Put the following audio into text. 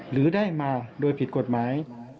หรือได้มาโดยผิดกฎหมาย